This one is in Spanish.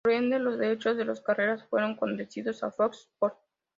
Por ende, los derechos de las carreras fueron concedidos a Fox Sports.